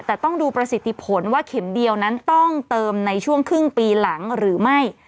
แต่ต้องดูประสิทธิผลว่าเข็มเดียวนั้นต้องเติมในช่วงครึ่งปีหลังหรือไม่